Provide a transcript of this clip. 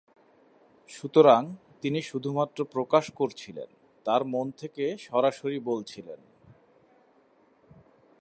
সুতরাং, তিনি শুধুমাত্র প্রকাশ করছিলেন, তার মন থেকে সরাসরি বলছিলেন।